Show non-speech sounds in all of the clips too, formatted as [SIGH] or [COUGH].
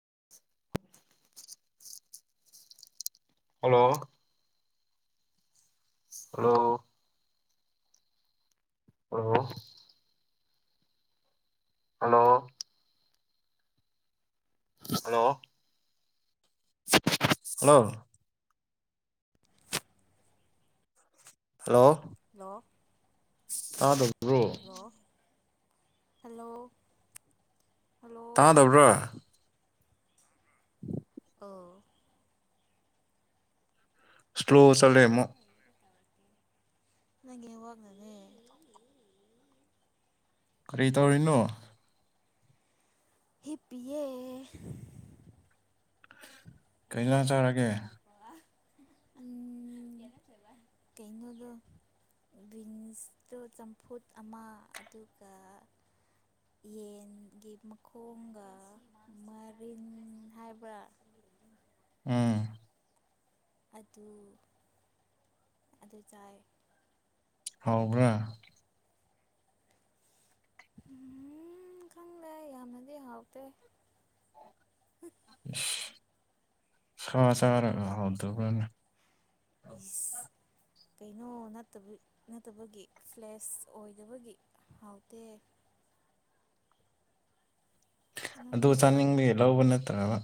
[INAUDIBLE] hello hello ꯑꯣ hello hello hello hello hello ꯇꯥꯗ꯭ꯔ hello hello hello ꯇꯥꯗꯕ꯭ꯔꯥ [INAUDIBLE] ꯑꯣ ꯁ꯭ꯂꯣ ꯆꯠꯂꯦꯃꯧꯛ ꯅꯪ ꯏꯦꯠꯋꯥꯛꯅꯅꯦ ꯀꯔꯤ ꯇꯧꯔꯤꯅꯣ ꯍꯤꯞꯄꯤꯌꯦ ꯀꯩ ꯏꯟꯁꯥꯡ ꯆꯥꯔꯒꯦ ꯎꯝ [INAUDIBLE] ꯀꯩꯅꯣꯗꯣ ꯕꯤꯟꯁꯇꯣ ꯆꯝꯐꯨꯠ ꯑꯃ ꯑꯗꯨꯒ ꯌꯦꯟꯒꯤ ꯃꯈꯣꯡꯒ ꯃꯔꯤꯟ ꯍꯥꯏꯕ꯭ꯔ ꯑꯝ ꯑꯗꯨ ꯑꯗꯨ ꯆꯥꯏ ꯍꯥꯎꯕ꯭ꯔꯥ ꯎꯝ ꯈꯪꯗꯦ ꯌꯥꯝꯅꯗꯤ ꯍꯥꯎꯇꯦ ꯏꯁ ꯁꯥ ꯆꯥꯔꯒ ꯍꯥꯎꯇꯕ꯭ꯔꯅꯦ ꯏꯁ ꯀꯩꯅꯣ ꯅꯠꯇ ꯅꯠꯇꯕꯒꯤ ꯐ꯭ꯂꯦꯁ ꯑꯣꯏꯗꯕꯒꯤ ꯍꯥꯎꯇꯦ [INAUDIBLE] ꯑꯗꯨ ꯅꯪꯗꯤ ꯆꯥꯅꯤꯡꯕꯒꯤ ꯂꯧꯕ ꯅꯠꯇ꯭ꯔꯕ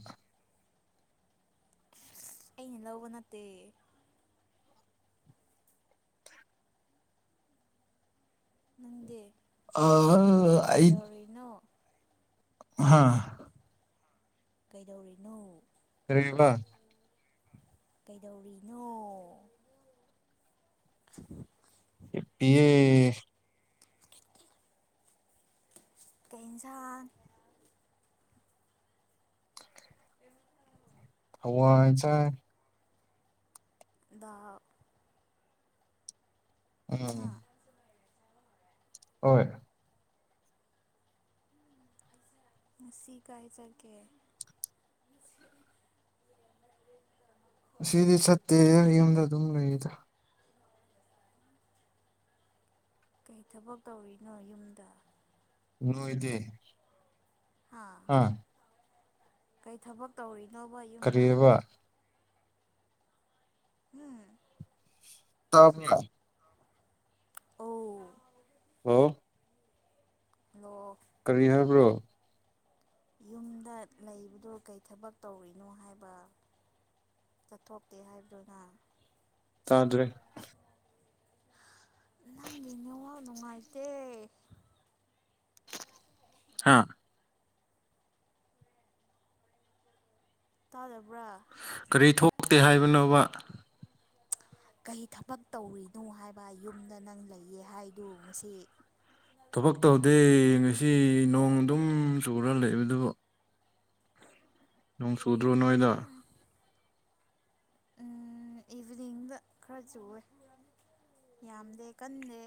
ꯑꯩꯅ ꯂꯧꯕ ꯅꯠꯇꯦ ꯅꯪꯗꯤ [UNINTELLIGIBLE] ꯑꯩ ꯀꯩꯗꯧꯔꯤꯅꯣ ꯍꯥꯥ ꯀꯩꯗꯧꯔꯤꯅꯣ ꯀꯔꯤꯕ ꯀꯩꯗꯧꯔꯤꯅꯣ ꯍꯤꯞꯄꯤꯌꯦ ꯀꯩ ꯏꯟꯁꯥꯡ ꯍꯋꯥꯏ ꯆꯥꯏ ꯗ ꯎꯝ ꯍꯥ ꯍꯣꯏ ꯉꯁꯤ ꯀꯥꯏ ꯆꯠꯀꯦ ꯉꯁꯤꯗꯤ ꯁꯠꯇꯦ ꯌꯨꯝꯗ ꯑꯗꯨꯝ ꯂꯩꯗ ꯀꯩ ꯊꯕꯛ ꯇꯧꯔꯤꯅꯣ ꯌꯨꯝꯗ ꯅꯣꯏꯗꯤ ꯍꯥ ꯑꯥ ꯀꯩ ꯊꯕꯛ ꯇꯧꯔꯤꯅꯣꯕ ꯌꯨꯝꯗ ꯀꯔꯤꯑꯕ ꯎꯝ [UNINTELLIGIBLE] ꯑꯣ ꯍꯜꯂꯣ ꯂꯣꯊꯉꯉ ꯀꯔꯤ ꯍꯥꯏꯕ꯭ꯔꯣ ꯌꯨꯝꯗ ꯂꯩꯕꯗꯣ ꯀꯩ ꯊꯕꯛ ꯇꯧꯔꯤꯅꯣ ꯍꯥꯏꯕ ꯆꯠꯊꯣꯛꯇꯦ ꯍꯥꯏꯕꯗꯨꯅ ꯆꯥꯗ꯭ꯔꯦ ꯅꯪꯒꯤ ꯅꯦꯠꯋꯥꯛ ꯅꯨꯡꯉꯥꯏꯇꯦ ꯍꯥꯥ ꯇꯥꯗꯕ ꯀꯔꯤ ꯊꯣꯛꯇꯦ ꯍꯥꯏꯕꯅꯣꯕ ꯀꯔꯤ ꯊꯕꯛ ꯇꯧꯔꯤꯅꯣ ꯍꯥꯏꯕ ꯌꯨꯝꯗ ꯅꯪ ꯂꯩꯌꯦ ꯍꯥꯏꯗꯨ ꯉꯁꯤ ꯊꯕꯛ ꯇꯧꯗꯦ ꯉꯁꯤ ꯅꯣꯡ ꯑꯗꯨꯝ ꯆꯨꯔ ꯂꯩꯕ ꯑꯗꯨꯕꯨ ꯅꯣꯡ ꯁꯨꯗ꯭ꯔꯣ ꯅꯣꯏꯗ ꯎꯝ ꯏꯚꯤꯅꯤꯡꯗ ꯈꯔ ꯆꯨꯋꯦ ꯌꯥꯝꯗꯦ ꯀꯟꯗꯦ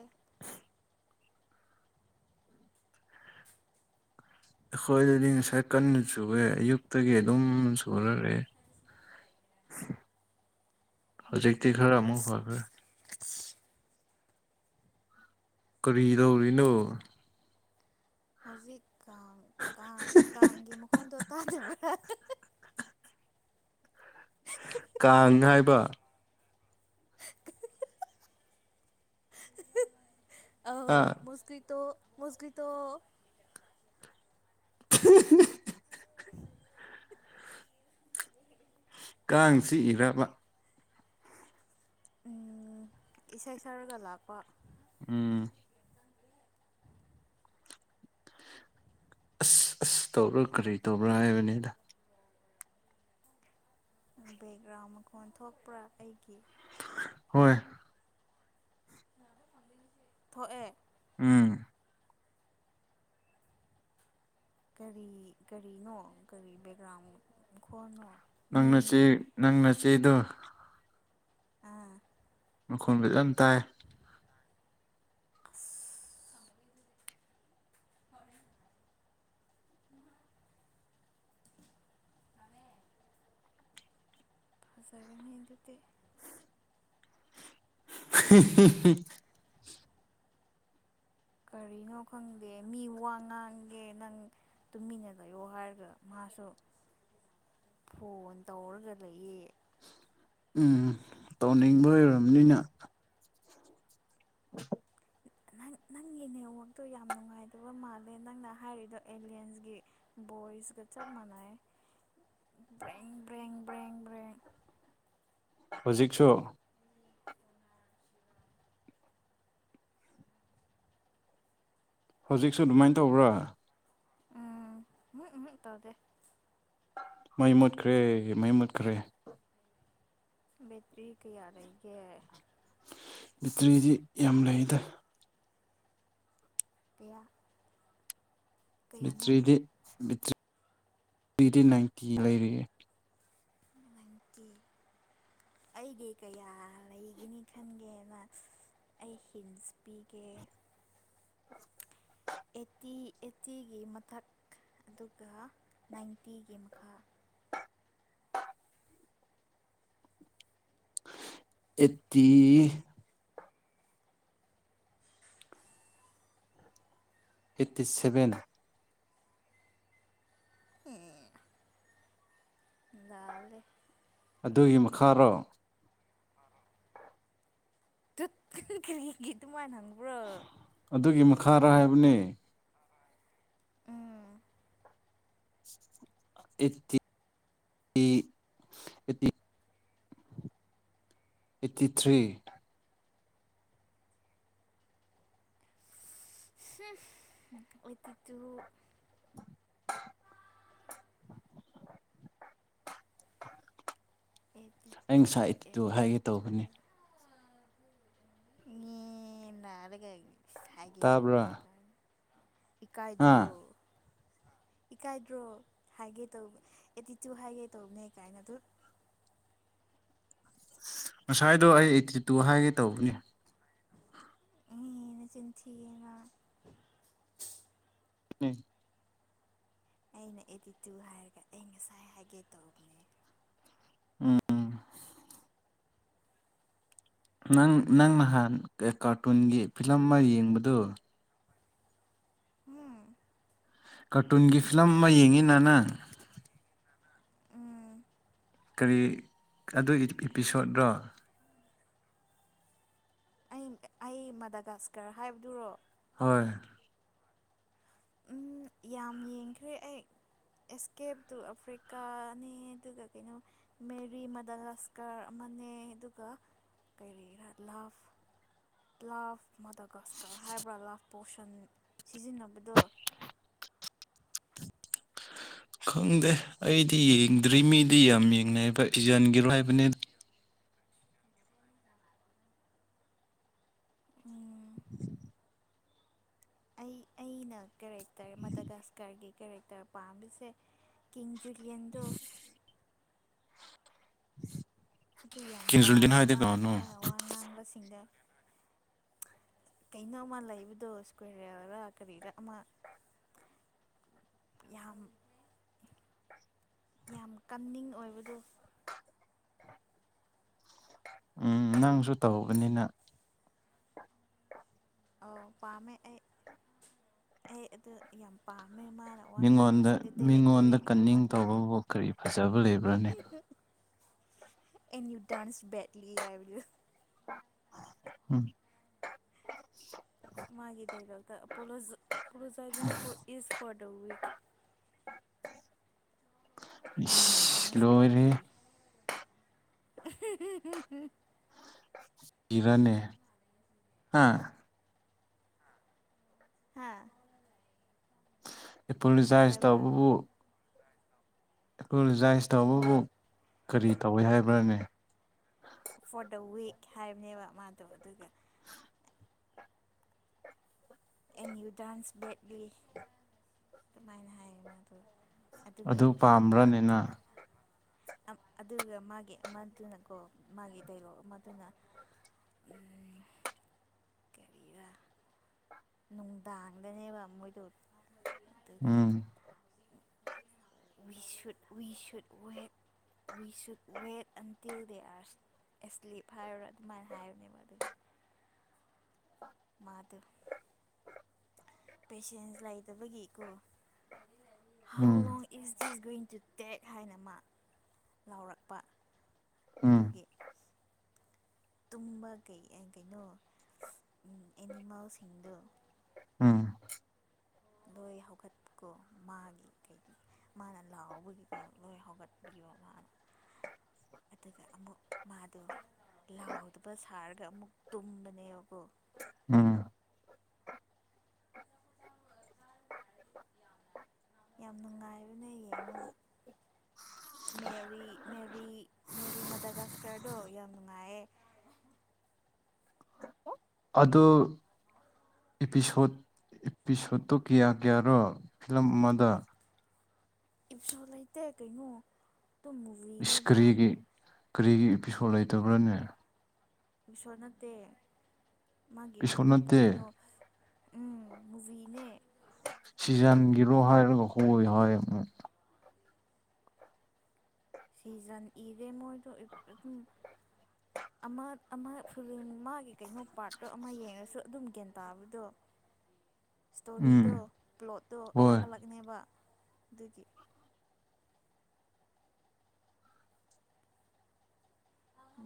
ꯑꯩꯈꯣꯏ ꯑꯗꯨꯗꯤ ꯉꯁꯥꯏ ꯀꯟꯅ ꯆꯨꯋꯦ ꯑꯌꯨꯛꯇꯒꯤ ꯑꯗꯨꯝ ꯆꯨꯔꯛꯔꯦ ꯍꯧꯖꯤꯛꯇꯤ ꯈꯔ ꯑꯃꯨꯛ ꯐꯈ꯭ꯔꯦ ꯀꯔꯤ ꯗꯧꯔꯤꯅꯣ ꯍꯧꯖꯤꯛ ꯀꯥꯡ ꯀꯥꯡ ꯀꯥꯡꯒꯤ ꯃꯈꯣꯟꯗꯣ ꯇꯥꯗꯕ꯭ꯔꯥ ꯀꯥꯡ ꯍꯥꯏꯕ ꯑꯥꯎ ꯑ ꯃꯨꯁꯀꯤꯇꯣ ꯃꯨꯁꯀꯤꯇꯣ [UNINTELLIGIBLE] ꯀꯥꯡ ꯆꯤꯛꯏꯔꯕ ꯎꯝ ꯏꯁꯩ ꯁꯛꯔꯒ ꯂꯥꯛꯄ ꯎꯝ ꯑꯁ ꯑꯁ ꯇꯧꯕꯥ ꯀꯔꯤ ꯇꯧꯕ꯭ꯔꯥ ꯍꯥꯏꯕꯅꯤꯗ ꯕꯦꯛꯒ꯭ꯔꯥꯎꯟ ꯃꯈꯣꯟ ꯊꯣꯛꯄ꯭ꯔꯥ ꯑꯩꯒꯤ ꯍꯣꯏ ꯊꯣꯛꯑꯦ ꯎꯝ ꯀꯔꯤ ꯀꯔꯤꯅꯣ ꯀꯔꯤ ꯕꯦꯛꯒ꯭ꯔꯥꯎꯟ ꯃꯈꯣꯟꯅꯣ ꯅꯪ ꯅꯆꯦ ꯃꯤꯒꯤ ꯅꯪ ꯅꯆꯦꯗꯣ ꯑꯥ ꯃꯈꯣꯟ ꯐꯖꯅ ꯇꯥꯏ ꯑꯁ [UNINTELLIGIBLE] [UNINTELLIGIBLE] ꯍꯤ ꯍꯤ ꯍꯤ ꯀꯔꯤꯅꯣ ꯈꯪꯗꯦ ꯃꯤ ꯋꯥ ꯉꯥꯡꯒꯦ ꯅꯪ ꯇꯨꯃꯤꯟꯅ ꯂꯩꯌꯣ ꯍꯥꯏꯔꯒ ꯃꯍꯥꯛ ꯃꯥꯁꯨ [INAUDIBLE] ꯐꯣꯟ ꯇꯧꯔꯒ ꯂꯩꯌꯦ ꯎꯝ ꯇꯧꯅꯤꯡꯕꯩ ꯑꯣꯏꯔꯝꯅꯤꯅ ꯅꯪ [INAUDIBLE] ꯅꯪꯒꯤ ꯅꯦꯠꯋꯥꯛꯇꯨ ꯌꯥꯝꯅ ꯅꯨꯡꯉꯥꯏꯇꯕ ꯃꯥꯜꯂꯦ ꯅꯪꯅ ꯍꯥꯏꯔꯤꯗꯣ ꯑꯦꯂꯤꯌꯦꯟꯁꯒꯤ ꯕꯣꯏꯁꯀ ꯆꯞ ꯃꯅꯥꯏꯌꯦ [INAUDIBLE] ꯕ꯭ꯔꯦꯡ ꯕ꯭ꯔꯦꯡ ꯕ꯭ꯔꯦꯡ ꯕ꯭ꯔꯦꯡ ꯍꯨꯖꯤꯛꯁꯨ ꯍꯧꯖꯤꯛꯁꯨ ꯑꯗꯨꯃꯥꯏꯅ ꯇꯧꯕ꯭ꯔꯥ ꯎꯝ ꯎꯝꯍꯨ ꯎꯝꯍꯨ ꯇꯗꯦ ꯃꯩ ꯃꯨꯠꯈ꯭ꯔꯦ ꯃꯩ ꯃꯨꯠꯈ꯭ꯔꯦ ꯕꯦꯇ꯭ꯔꯤ ꯀꯌꯥ ꯂꯩꯒꯦ ꯕꯦꯇ꯭ꯔꯤꯗꯤ ꯌꯥꯝ ꯂꯩꯗ ꯀꯌꯥꯝ ꯕꯦꯇ꯭ꯔꯗꯤ ꯕꯦꯇ꯭ꯔꯤ ꯅꯥꯏꯟꯇꯤ ꯂꯩꯔꯤ ꯅꯥꯏꯟꯇꯤ ꯑꯩꯗꯤ ꯀꯌꯥ ꯂꯩꯒꯅꯤ ꯈꯟꯒꯦꯅ ꯑꯩ ꯍꯤꯟꯁ ꯄꯤꯒꯦ ꯑꯦꯇꯤ ꯑꯦꯇꯤꯒꯤ ꯃꯊꯛ ꯑꯗꯨꯒ ꯅꯥꯏꯟꯇꯤꯒꯤ ꯃꯈꯥ [INAUDIBLE] ꯑꯦꯠꯇꯤ ꯑꯩꯠꯇꯤ ꯁꯚꯦꯟ ꯑꯦ ꯂꯥꯜꯂꯦ ꯑꯗꯨꯒꯤ ꯃꯈꯥꯔꯣ ꯇꯨꯠ ꯀꯔꯤꯒꯤ ꯑꯗꯨꯃꯥꯏ ꯍꯪꯕ ꯑꯗꯨꯒꯤ ꯃꯈꯥꯔ ꯍꯥꯏꯕꯅꯦ ꯎꯝ ꯑꯦꯠꯇꯤ ꯑꯦꯠꯇꯤ ꯑꯩꯠꯇꯤ ꯊ꯭ꯔꯤ ꯎꯝ ꯑꯩꯠꯇꯤ ꯇꯨ ꯑꯩꯠꯇꯤ ꯑꯩ ꯉꯁꯥꯏ ꯏꯇꯤꯇꯨ ꯍꯥꯏꯒꯦ ꯇꯧꯕꯅꯤ ꯏꯏ ꯂꯥꯜꯂꯒ ꯍꯥꯏꯒꯦ ꯇꯥꯕ꯭ꯔꯥ ꯇꯧꯕꯅꯦꯌꯦ ꯏꯀꯥꯏꯗ꯭ꯔꯣ ꯑꯥ ꯏꯀꯥꯏꯗ꯭ꯔꯣ ꯍꯥꯏꯒꯦ ꯇꯧꯕ ꯑꯦꯇꯤꯇꯨ ꯍꯥꯏꯒꯦ ꯇꯧꯕꯅꯦ ꯀꯥꯏꯅ ꯗꯨꯠ ꯉꯁꯥꯏꯗꯣ ꯑꯩ ꯑꯩꯠꯇꯤ ꯇꯨ ꯍꯥꯏꯒꯦ ꯇꯧꯕꯅꯦ ꯑꯦ ꯅꯆꯤꯟ ꯊꯤꯒꯅꯣ ꯎꯝ ꯑꯩꯅ ꯑꯦꯠꯇꯤꯇꯨ ꯍꯥꯏꯔꯒ ꯑꯩ ꯉꯁꯥꯏ ꯍꯥꯏꯒꯦ ꯇꯧꯕꯅꯦ ꯍ ꯎꯝ ꯅꯪ ꯅꯪ ꯅꯍꯥꯟ ꯀꯥꯔꯇꯨꯟꯒꯤ ꯐꯤꯂꯝ ꯑꯃ ꯌꯦꯡꯕꯗꯨ ꯎꯝ ꯀꯥꯔꯇꯨꯟꯒꯤ ꯐꯤꯂꯝ ꯑꯃ ꯌꯦꯡꯉꯤ ꯅ ꯅꯪ ꯎꯝ ꯀꯔꯤ ꯑꯗꯨꯒꯤ ꯑꯦꯄꯤꯁꯣꯗꯣ ꯑꯩ ꯑꯩ ꯃꯗꯥꯒꯥꯁꯀꯔ ꯍꯥꯏꯕꯗꯨꯔ ꯍꯣꯏ ꯎꯝ ꯌꯥꯝ ꯌꯦꯡꯈ꯭ꯔꯦ ꯑꯩ ꯑꯦꯁꯀꯦꯞ ꯇꯨ ꯑꯐ꯭ꯔꯤꯀꯥꯅꯦ ꯑꯗꯨꯒ ꯀꯩꯅꯣ ꯃꯦꯔꯤ ꯃꯗꯥꯂꯁꯀꯔ ꯑꯃ ꯐꯅꯩ ꯑꯗꯨꯒ ꯀꯔꯤ ꯂꯥꯐ ꯂꯥꯞ ꯃꯥꯗꯒꯁꯀꯔ ꯍꯥꯏꯕ꯭ꯔꯥ ꯂꯥꯞ ꯄꯣꯔꯁꯟ ꯁꯤꯖꯤꯟꯅꯕꯗꯣ [INAUDIBLE] ꯈꯪꯗꯦ ꯑꯩꯗꯤ ꯌꯦꯡꯗ꯭ꯔꯤ ꯃꯤꯗꯤ ꯌꯥꯝ ꯌꯦꯡꯅꯩꯕ ꯏꯖꯟꯒꯤꯔꯣ ꯍꯥꯏꯕꯅꯤ ꯎꯝ [INAUDIBLE] ꯑꯩ ꯑꯩꯅ ꯀꯦꯔꯦꯛꯇꯔ ꯃꯙꯒꯥꯁꯀꯔꯒꯤ ꯀꯦꯔꯦꯛꯇꯔ ꯄꯥꯝꯃꯤꯁꯦ ꯀꯤꯡꯗꯝ ꯖꯨꯂꯤꯌꯟꯗꯣ [INAUDIBLE] ꯑꯗꯨ ꯌꯥꯝ ꯀꯤꯡꯖꯨꯂꯤꯟ ꯄꯥꯝꯃꯦ ꯍꯥꯏꯗꯤ ꯃꯥ ꯀꯅꯥꯅꯣ ꯃꯥꯅ ꯋꯥ ꯉꯥꯡꯕꯁꯤꯡꯗ [INAUDIBLE] ꯀꯩꯅꯣ ꯑꯃ ꯂꯩꯕꯗꯣ ꯁ꯭ꯀꯨꯜꯕꯔꯥ ꯀꯔꯤꯔꯥ ꯑꯃ ꯌꯥꯝ ꯌꯥꯝ ꯀꯟꯅꯤꯡ ꯑꯣꯏꯕꯗꯣ [INAUDIBLE] ꯎꯝ ꯅꯪꯁꯨ ꯇꯧꯕꯅꯤꯅ ꯑꯣ ꯄꯥꯝꯃꯦ ꯑꯩ ꯑꯩ ꯑꯗꯨ ꯌꯥꯝ ꯄꯥꯝꯃꯦ ꯃꯥꯅ ꯋꯥ ꯃꯤꯉꯣꯟꯗ ꯉꯥꯡꯕꯁꯤꯡꯗꯣ ꯗꯥꯏꯔꯦꯛ ꯃꯤꯉꯣꯟꯗ ꯗꯥꯏꯔꯦꯛꯅꯦꯕ ꯀꯟꯅꯤꯡ ꯇꯧꯕꯕꯨ ꯀꯔꯤ ꯐꯖꯕ ꯂꯩꯕ꯭ꯔꯥꯅꯦ ꯑꯦꯟ ꯌꯨ ꯇꯔꯟꯁ ꯕꯦꯠꯂꯤ ꯍꯥꯏꯕ ꯎꯝ ꯃꯥꯒꯤ ꯂꯥꯕꯛꯇ ꯄꯣꯂꯣꯖ ꯄꯣꯂꯣꯖꯥꯏꯕꯤꯡ food is for the week [INAUDIBLE] ꯏꯁ ꯂꯣꯏꯔꯦꯍꯦ ꯑꯍ ꯍ ꯍ [UNINTELLIGIBLE] ꯏꯔꯅꯦ ꯍꯥ ꯍꯥꯥ ꯑꯦꯄꯣꯂꯣꯖꯥꯏꯁ ꯇꯧꯕꯕꯨ ꯑꯦꯄꯣꯂꯣꯖꯥꯏꯁ ꯇꯧꯕꯕꯨ ꯍꯣꯏ ꯀꯔꯤ ꯇꯧꯋꯤ ꯍꯥꯏꯕ꯭ꯔꯅꯦ ꯐꯣꯔ ꯗ ꯋꯤꯛ ꯍꯥꯏꯕꯅꯦꯕ ꯃꯥꯗꯣ ꯑꯗꯨꯒ ꯑꯦꯟ ꯌꯨ ꯇꯔꯟꯁ ꯕꯦꯛꯂꯤ ꯑꯗꯨꯃꯥꯏꯅ ꯍꯥꯏꯌꯦ ꯃꯥꯗꯣ ꯑꯗꯨꯒ ꯑꯗꯨ ꯄꯥꯝꯕ꯭ꯔꯅꯦ ꯅ ꯑꯝ ꯑꯗꯨꯒ ꯃꯥꯒꯤ ꯑꯃꯗꯨꯅꯀꯣ ꯃꯥꯒꯤ ꯗꯥꯏꯂꯣꯛ ꯑꯃꯗꯨꯅ ꯀꯔꯤꯔꯥ [INAUDIBLE] ꯅꯨꯡꯗꯥꯡꯗꯅꯦꯕ ꯃꯣꯏꯗꯣ ꯑꯗꯨꯒ ꯎꯝ we should we should wait we should wait until they are asleep ꯍꯥꯏꯔꯨꯔꯥ ꯑꯗꯨꯃꯥꯏꯅ ꯍꯥꯏꯕꯅꯦꯕ ꯑꯗꯨꯒ [INAUDIBLE] ꯃꯥꯗꯣ ꯄꯦꯁꯦꯟꯁ ꯂꯩꯇꯕꯒꯤꯀꯣ how um long is this green to take ꯍꯥꯏꯅ ꯃꯤ ꯂꯥꯎꯔꯛꯄ ꯎꯝ ꯑꯗꯨꯒꯤ ꯇꯨꯝꯕ ꯀꯩ ꯑꯦ ꯀꯩꯅꯣ ꯑꯦꯅꯤꯃꯦꯜꯁꯤꯡꯗꯣ ꯎꯝ ꯂꯣꯏ ꯍꯧꯒꯠꯄꯀꯣ ꯃꯥꯒꯤ ꯀꯩꯒꯤ ꯃꯥꯅ ꯂꯥꯎꯕꯒꯤꯀꯣ ꯂꯣꯏ ꯍꯧꯒꯠꯄꯤꯕ ꯃꯥꯅ [INAUDIBLE] ꯑꯗꯨꯒ ꯑꯃꯨꯛ ꯃꯥꯗꯣ ꯂꯥꯎꯗꯕ ꯁꯥꯔꯒ ꯑꯃꯨꯛ ꯇꯨꯝꯕꯅꯦꯕꯀꯣ ꯎꯝ ꯌꯥꯝ ꯅꯨꯡꯉꯥꯏꯕꯅꯦ ꯌꯦꯡꯉꯣ ꯃꯦꯔꯤ ꯃꯦꯔꯤ ꯃꯦꯔꯤ ꯃꯗꯥꯒꯁꯀꯔꯗꯣ ꯌꯥꯝ ꯅꯨꯡꯉꯥꯏꯌꯦ [INAUDIBLE] ꯑꯗꯨ ꯏꯄꯤꯁꯣꯠ ꯏꯄꯤꯁꯣꯠꯇꯣ ꯀꯌꯥ ꯀꯌꯥꯔꯣ ꯐꯤꯂꯝ ꯑꯃꯗ ꯏꯄꯤꯁꯣꯠ ꯂꯩꯇꯦ ꯀꯩꯅꯣ ꯑꯗꯨꯝ ꯏꯁ ꯃꯨꯚꯤꯅꯦꯕ ꯀꯔꯤꯒꯤ ꯀꯔꯤꯒꯤ ꯏꯄꯤꯁꯣꯠ ꯂꯩꯇꯕ꯭ꯔꯅꯦ ꯏꯄꯤꯁꯣꯠ ꯅꯠꯇꯦ ꯃꯥꯒꯤ ꯏꯄꯤꯁꯣꯠ ꯅꯠꯇꯦ ꯀꯩꯅꯣ ꯎꯝ ꯃꯨꯚꯤꯅꯦ ꯁꯤꯖꯟꯒꯤꯔꯣ ꯍꯥꯏꯔꯒ ꯍꯣꯏ ꯍꯥꯏ ꯑꯃꯨꯛ ꯁꯤꯖꯟ ꯏꯗꯦ ꯃꯣꯏꯗꯣ ꯑꯗꯨꯝ ꯑꯃ ꯑꯃ ꯐꯤꯂꯝ ꯃꯥꯒꯤ ꯀꯩꯅꯣ ꯄꯥꯔꯠꯇꯣ ꯑꯃ ꯌꯦꯡꯉꯁꯨ ꯑꯗꯨꯝ ꯒ꯭ꯌꯥꯟ ꯇꯥꯕꯗꯣ [INAUDIBLE] ꯎꯝ ꯁ꯭ꯇꯣꯔꯤꯗꯣ ꯄ꯭ꯂꯣꯠꯇꯣ ꯑꯂꯛ ꯍꯣꯏ ꯑꯂꯛꯅꯦꯕ ꯑꯗꯨꯒꯤ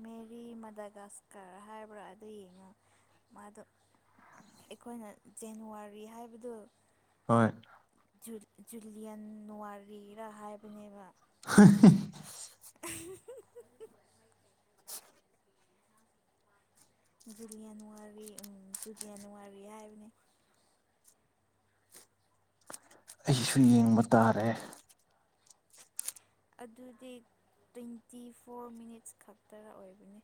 ꯃꯦꯔꯤ ꯃꯗꯥꯒꯥꯁꯀꯔ ꯍꯥꯏꯕ꯭ꯔꯥ ꯑꯗꯨ ꯌꯦꯡꯉꯨ ꯃꯥꯗꯣ ꯑꯈꯣꯏꯅ ꯖꯅꯋꯥꯔꯤ ꯍꯥꯏꯕꯗꯨ ꯍꯣꯏ ꯖꯨꯂꯤꯌꯟ ꯋꯥꯔꯤꯔ ꯍꯥꯏꯕꯅꯦꯕ ꯍꯦꯍ ꯖꯨꯂꯤꯌꯥꯟꯋꯥꯔꯤ ꯎꯝ ꯖꯨꯂꯤꯌꯥꯟ ꯋꯥꯔꯤ ꯍꯥꯏꯕꯅꯦ ꯑꯩꯁꯨ ꯌꯦꯡꯕ ꯇꯥꯔꯦ ꯑꯗꯨꯗꯤ ꯇ꯭ꯋꯦꯟꯇꯤ ꯐꯣꯔ ꯃꯤꯅꯤꯠꯁ ꯈꯛꯇꯔ ꯑꯣꯏꯕꯅꯤ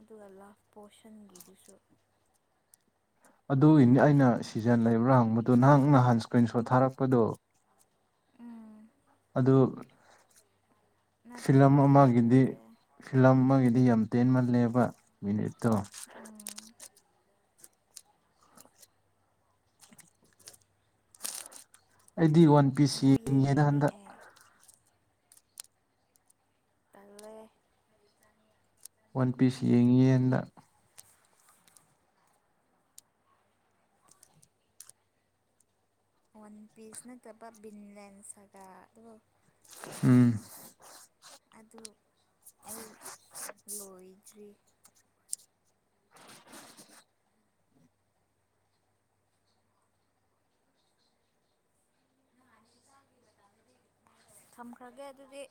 ꯑꯗꯨꯒ ꯂꯥꯞ ꯄꯣꯁꯟꯒꯤꯗꯨꯁꯨ ꯑꯗꯨꯒꯤꯅꯤ ꯑꯩꯅ ꯁꯤꯖꯟ ꯂꯩꯕ꯭ꯔꯥ ꯍꯪꯕꯗꯣ ꯅꯪ ꯅꯍꯥꯟ ꯏꯁꯀ꯭ꯔꯤꯟ ꯁꯣꯠ ꯊꯥꯔꯛꯄꯗꯣ ꯎꯝ ꯗꯨ ꯅꯠꯇꯦ ꯐꯤꯂꯝ ꯁꯤꯒ ꯑꯃꯒꯤꯗꯤ ꯅꯠꯇꯦ ꯐꯤꯂꯝ ꯑꯃꯒꯤꯗꯤ ꯌꯥꯝ ꯇꯦꯟꯃꯜꯂꯦꯕ ꯃꯤꯅꯤꯠ ꯇꯣ ꯎꯝ ꯑꯩꯗꯤ ꯋꯥꯟ ꯄꯤꯁ ꯑꯃꯨꯛ ꯌꯦꯡꯉꯦꯅ ꯌꯦꯡꯉꯤꯅꯤ ꯍꯟꯗꯛ ꯑꯦ ꯇꯜꯂꯦ ꯋꯥꯟ ꯄꯤꯁ ꯌꯦꯡꯉꯤꯌꯦ ꯍꯟꯗꯛ ꯋꯥꯟ ꯄꯤꯁ ꯅꯠꯇꯕ ꯕꯤꯟꯂꯦꯟ ꯁꯥꯒ ꯑꯗꯨꯒ ꯎꯝ ꯑꯗꯨ ꯑꯩ ꯂꯣꯏꯗ꯭ꯔꯤ ꯊꯝꯈ꯭ꯔꯒꯦ ꯑꯗꯨꯗꯤ